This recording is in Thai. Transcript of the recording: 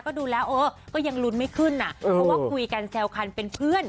ก็ดูแล้วเออก็ยังลุ้นไม่ขึ้นอ่ะเพราะว่าคุยกันแซวคันเป็นเพื่อน